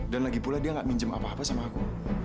dan lagi pula dia gak minjem apa apa sama aku